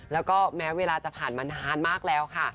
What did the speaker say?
แล้วก็แม้เวลาจะผ่านมานานมากแล้วค่ะ